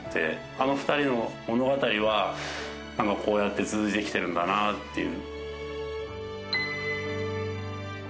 あの２人の物語はこうやって続いてきてるんだなっていう。